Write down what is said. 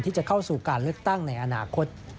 ที่จะเข้าสู่การเลือกตั้งในอนาคต